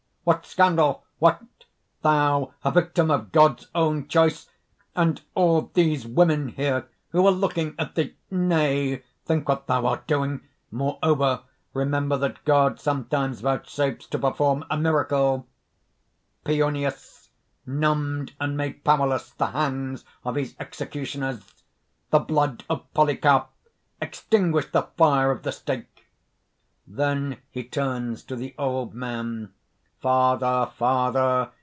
_) "What scandal! What! Thou! a victim of God's own choice! And all these women here who are looking at thee! Nay, think what thou art doing! Moreover, remember that God sometimes vouchsafes to perform a miracle. Pionius numbed and made powerless the hands of his executioners; the blood of Polycarp extinguished the fire of the stake." (Then he turns to the Old Man: ) "Father, father!